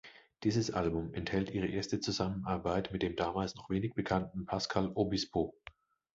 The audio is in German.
Dieses Album enthält ihre erste Zusammenarbeit mit, dem damals noch wenig bekannten, Pascal Obispo.